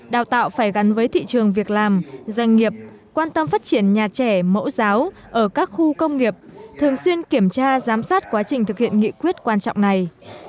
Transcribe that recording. đào tạo phải gắn với thị trường việc làm doanh nghiệp quan tâm phát triển nhà trẻ mẫu giáo ở các khu công nghiệp thường xuyên kiểm tra giám sát quá trình thực hiện nghị quyết quan trọng này